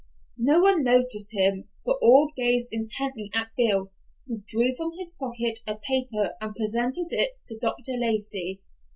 No one noticed him, for all gazed intently at Bill, who drew from his pocket a paper and presented it to Dr. Lacey.